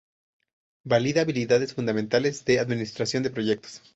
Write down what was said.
Valida habilidades fundamentales de administración de proyectos.